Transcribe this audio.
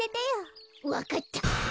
わかった。